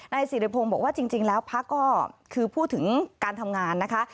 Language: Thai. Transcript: สิริพงศ์บอกว่าจริงแล้วพักก็คือพูดถึงการทำงานนะคะ